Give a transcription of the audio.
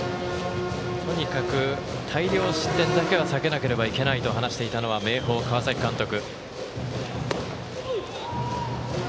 とにかく、大量失点だけはさけなければいけないと話していたのは明豊、川崎監督。